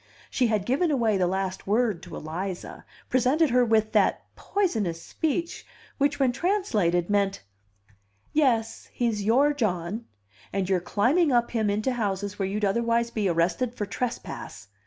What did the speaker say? She had given away the last word to Eliza, presented her with that poisonous speech which when translated meant: "Yes, he's 'your' John; and you're climbing up him into houses where you'd otherwise be arrested for trespass."